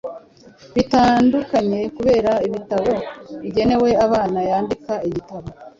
bitandukanye kubera ibitabo bigenewe abana yandika. Igitabo